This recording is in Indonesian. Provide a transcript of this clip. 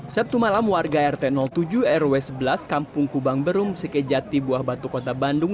sabtu malam warga rt tujuh rw sebelas kampung kubang berum sekejati buah batu kota bandung